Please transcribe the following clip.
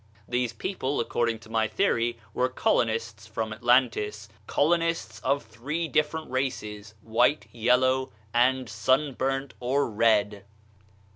These people, according to my theory, were colonists from Atlantis colonists of three different races white, yellow, and sunburnt or red.